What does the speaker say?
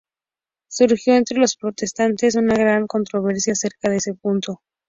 Surgió entre los protestantes una gran controversia acerca de este punto.